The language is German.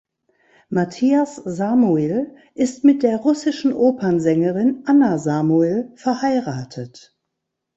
Matthias Samuil ist mit der russischen Opernsängerin Anna Samuil verheiratet.